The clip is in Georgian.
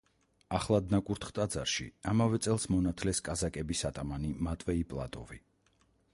ახლად ნაკურთხ ტაძარში, ამავე წელს მონათლეს კაზაკების ატამანი მატვეი პლატოვი.